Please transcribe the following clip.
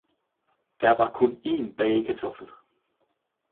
Der var kun en bagekartoffel